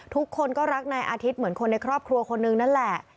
ทุกคนก็รักนายอาทิตย์เหมือนคนในครอบครัวคนนึงนั่นแหละ